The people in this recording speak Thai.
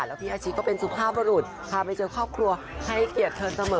แล้วพี่อาชิก็เป็นสุภาพบรุษพาไปเจอครอบครัวให้เกียรติเธอเสมอ